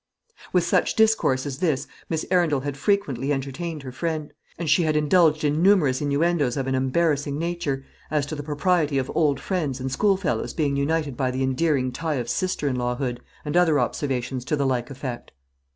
With such discourse as this Miss Arundel had frequently entertained her friend; and she had indulged in numerous inuendoes of an embarrassing nature as to the propriety of old friends and schoolfellows being united by the endearing tie of sister in lawhood, and other observations to the like effect.